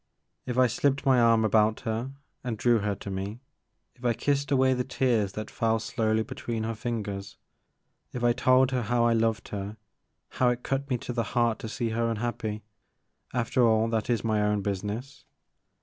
If I slipped my arm about her and drew her to me, — ^if I kissed away the tears that fell slowly be tween her fingers, — if I told her how I loved her — ^how it cut me to the heart to see her unhappy, — after all that is my own business.